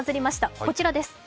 こちらです。